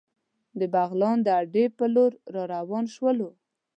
د بغلان د اډې په لور را روان شولو.